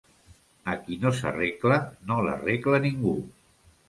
A qui no s'arregla, no l'arregla ningú.